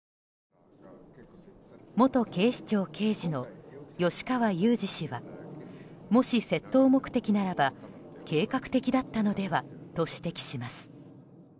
元警視庁刑事の吉川祐二氏はもし窃盗目的ならば計画的だったのではと指摘します。